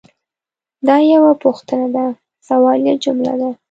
دا یوه پوښتنه ده – سوالیه جمله ده.